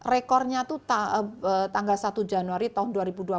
rekornya itu tanggal satu januari tahun dua ribu dua puluh